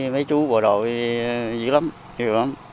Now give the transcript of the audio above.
mấy chú bộ đội dữ lắm dữ lắm